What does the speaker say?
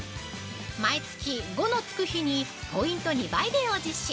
毎月５のつく日にポイント２倍デーを実施！